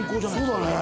そうだね。